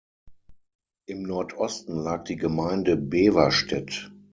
Im Nordosten lag die Gemeinde Beverstedt.